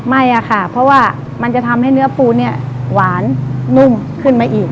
ไม่อะค่ะเพราะว่ามันจะทำให้เนื้อปูเนี่ยหวานนุ่มขึ้นมาอีก